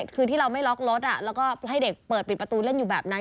คือที่เราไม่ล็อกรถแล้วก็ให้เด็กเปิดปิดประตูเล่นอยู่แบบนั้น